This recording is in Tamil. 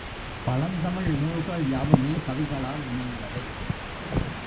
பழந்தமிழ் நூல்கள் யாவுமே கவிகளால் அமைந்தவை.